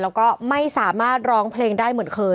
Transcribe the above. แล้วก็ไม่สามารถร้องเพลงได้เหมือนเคย